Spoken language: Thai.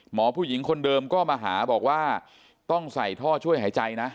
หมอผู้หญิงคนเดิมก็มาหาบอกว่าต้องใส่ท่อช่วยหายใจนะ